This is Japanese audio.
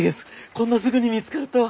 こんなすぐに見つかるとは。